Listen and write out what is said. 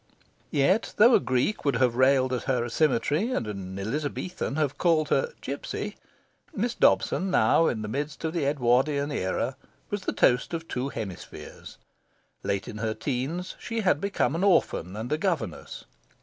Yet, though a Greek would have railed at her asymmetry, and an Elizabethan have called her "gipsy," Miss Dobson now, in the midst of the Edwardian Era, was the toast of two hemispheres. Late in her 'teens she had become an orphan and a governess.